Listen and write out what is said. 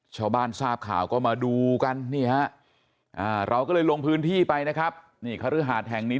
ชาวบ้านทราบข่าวก็มาดูกันนี่ฮะอ่าเราก็เลยลงพื้นที่ไปนะครับ